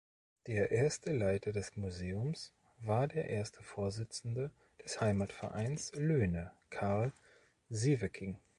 Der erste Leiter des Museums war der erste Vorsitzende des Heimatvereins Löhne Karl Sieveking.